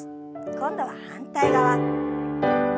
今度は反対側。